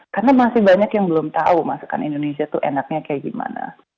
karena masih banyak yang belum tahu masakan indonesia itu enaknya kayak gimana